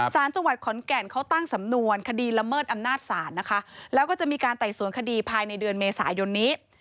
สารจังหวัดขอนแก่นเขาตั้งสำนวนคดีละเมิดอำนาจศาลนะคะแล้วก็จะมีการไต่สวนคดีภายในเดือนเมษายนนี้